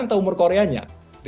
atau umur koreanya